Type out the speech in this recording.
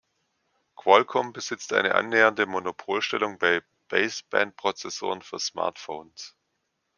Qualcomm besitzt eine annähernde Monopolstellung bei Baseband-Prozessoren für Smartphones.